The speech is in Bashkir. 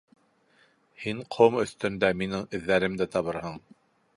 Һин ҡом өҫтөндә минең эҙҙәремде табырһың.